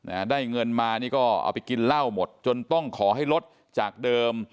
อ่าได้เงินมานี่ก็เอาไปกินเหล้าหมดจนต้องขอให้ลดจากเดิม